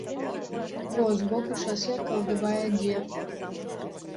Во, збоку шасэ калдыбае дзед.